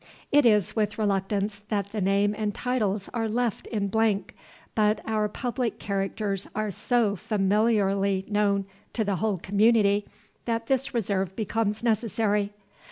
(It is with reluctance that the name and titles are left in blank; but our public characters are so familiarly known to the whole community that this reserve becomes necessary.)